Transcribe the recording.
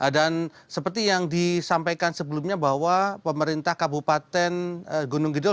dan seperti yang disampaikan sebelumnya bahwa pemerintah kabupaten gunung kidul